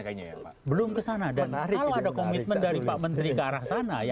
kalau ada komitmen dari pak menteri ke arah sana